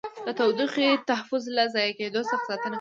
د تودوخې تحفظ له ضایع کېدو څخه ساتنه ده.